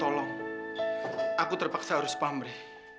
tolong aku terpaksa harus paham re